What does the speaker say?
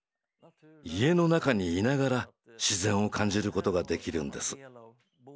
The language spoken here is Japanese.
家の中にいながら自然を感じることができるんです。